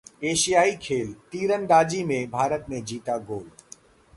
एशियाई खेल: तीरंदाजी में भारत ने जीता गोल्ड